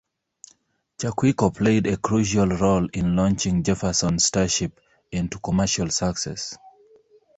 Chaquico played a crucial role in launching Jefferson Starship into commercial success.